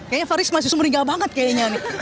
kayaknya faris masih sumringah banget kayaknya nih